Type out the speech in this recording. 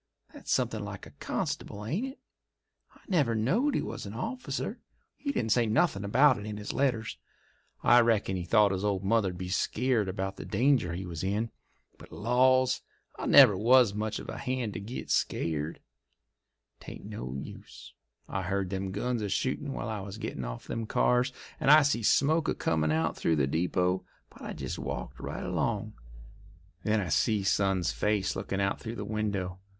That's somethin' like a constable, ain't it? I never knowed he was a officer; he didn't say nothin' about it in his letters. I reckon he thought his old mother'd be skeered about the danger he was in. But, laws! I never was much of a hand to git skeered. 'Tain't no use. I heard them guns a shootin' while I was gettin' off them cars, and I see smoke a comin' out of the depot, but I jest walked right along. Then I see son's face lookin' out through the window.